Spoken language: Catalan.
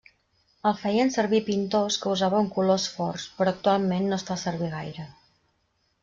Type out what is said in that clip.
El feien servir pintors que usaven colors forts, però actualment no es fa servir gaire.